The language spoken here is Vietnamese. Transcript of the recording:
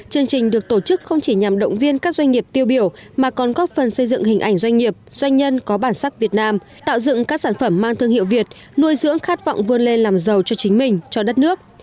chương trình được tổ chức không chỉ nhằm động viên các doanh nghiệp tiêu biểu mà còn góp phần xây dựng hình ảnh doanh nghiệp doanh nhân có bản sắc việt nam tạo dựng các sản phẩm mang thương hiệu việt nuôi dưỡng khát vọng vươn lên làm giàu cho chính mình cho đất nước